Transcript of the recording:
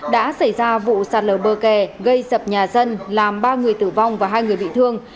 đã xảy ra vụ sạt lở bờ kè gây sập nhà dân làm ba người tử vong và hai người bị thương